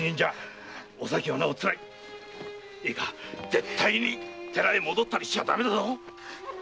絶対に寺へ戻ったりしちゃ駄目だぞ〕